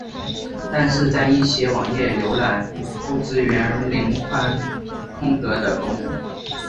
但是在一些网页浏览器不支援零宽空格的功能。